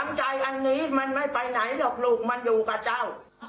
น้ำใจอันนี้มันไม่ไปไหนหรอกลูกมันอยู่กับเจ้า